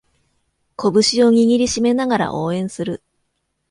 拳を握りしめながら応援する